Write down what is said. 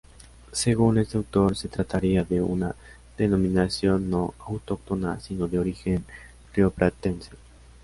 Según este autor se trataría de una denominación no autóctona sino de origen rioplatense.